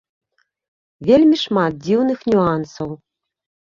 Вельмі шмат дзіўных нюансаў.